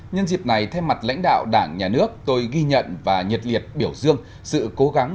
nhân dịp này thay mặt lãnh đạo đảng nhà nước tôi ghi nhận và nhiệt liệt biểu dương sự cố gắng